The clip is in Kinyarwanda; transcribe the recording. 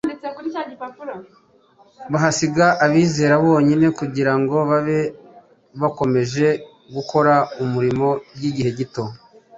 bahasiga abizera bonyine kugira ngo babe bakomeje gukora umurimo by’igihe gito.